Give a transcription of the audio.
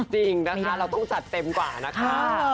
จริงนะคะเราต้องจัดเต็มกว่านะคะ